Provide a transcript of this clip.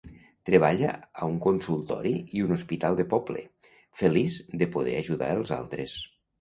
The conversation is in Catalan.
Treballa a un consultori i un hospital de poble, feliç de poder ajudar els altres.